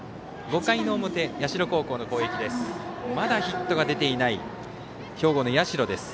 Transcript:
５回の表、社高校の攻撃です。